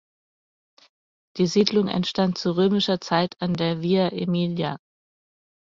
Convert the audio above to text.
Die Siedlung entstand zu römischer Zeit an der Via Emilia.